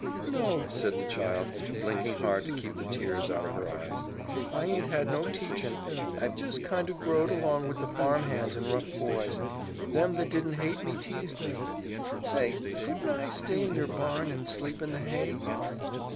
"No," said the child, blinking hard to keep the tears out of her eyes. "I aint had no teachin'. I've jes' kinder growed along with the farm hands and rough boys. Them that didn't hate me teased me. Say, couldn't I stay in your barn and sleep in the hay?"